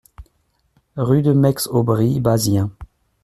Rue de la Meix Aubry, Bazien